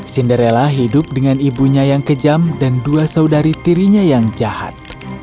cinderella hidup dengan ibunya yang kejam dan dua saudari tirinya yang jahat